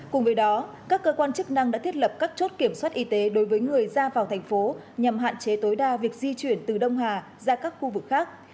cùng với đó các cơ quan chức năng đã thiết lập các chốt kiểm soát y tế đối với người ra vào thành phố nhằm hạn chế tối đa việc di chuyển từ đông hà ra các khu vực khác